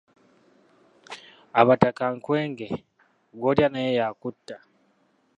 Abataka nkwenge, gw’olya naye yakutta.